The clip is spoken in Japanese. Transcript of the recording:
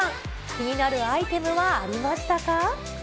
気になるアイテムはありましたか？